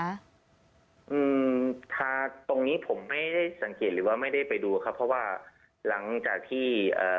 อืมทางตรงนี้ผมไม่ได้สังเกตหรือว่าไม่ได้ไปดูครับเพราะว่าหลังจากที่เอ่อ